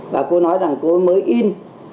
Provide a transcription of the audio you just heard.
và cô nói rằng cô mới in